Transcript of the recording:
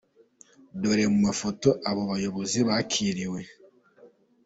Dore mu mafoto aba bayobozi bakiriwe .